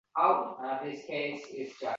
Yo‘q, qon boshqa ketmayotgan edi.